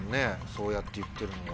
そうやって言ってるのは。